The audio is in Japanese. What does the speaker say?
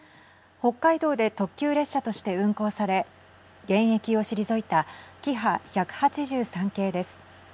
北海道で特急列車として運行され現役を退いたキハ１８３系です。